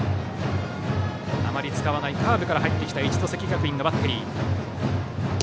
あまり使わないカーブから入ってきた一関学院のバッテリー。